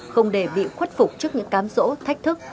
không để bị khuất phục trước những cám rỗ thách thức